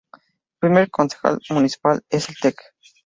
El primer concejal municipal es el Tec.